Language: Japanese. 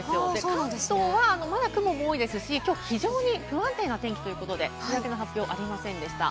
関東はまだ雲も多いですし、きょう非常に不安定な天気ということで、梅雨明けの発表はありませんでした。